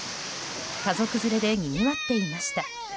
家族連れでにぎわっていました。